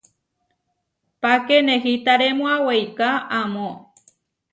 Páke nehitarémua weiká amó.